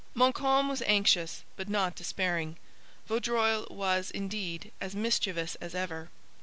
Montcalm was anxious, but not despairing. Vaudreuil was, indeed, as mischievous as ever.